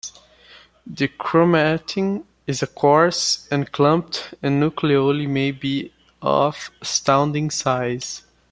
The chromatin is coarse and clumped, and nucleoli may be of astounding size.